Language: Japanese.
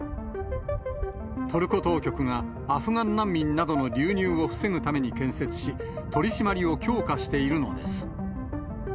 トルコ当局がアフガン難民などの流入を防ぐために建設し、取締りを強化しているのです。